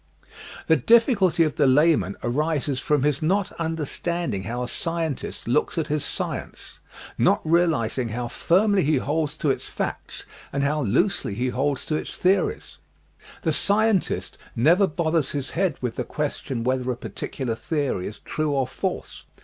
100 EASY LESSONS IN EINSTEIN The difficulty of the layman arises from his not understanding how a scientist looks at his science ; not realizing how firmly he holds to its facts and how loosely he holds to its theories. The scientist never bothers his head with the question whether a particu lar theory is true or false.